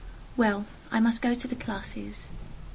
Well, I must go to the classes.